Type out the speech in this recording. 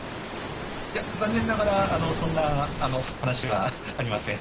いや残念ながら、そんな話はありません。